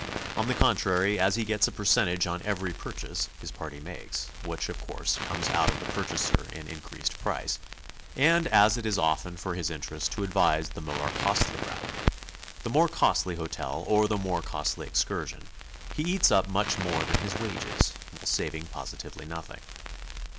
On the contrary, as he gets a percentage on every purchase his party makes (which, of course, comes out of the purchaser in increased price), and as it is often for his interest to advise the more costly route, the more costly hotel, or the more costly excursion, he eats up much more than his wages, while saving positively nothing.